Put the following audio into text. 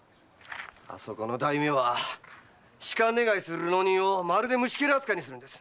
あそこの大名は仕官願いの浪人をまるで虫ケラ扱いにするんです！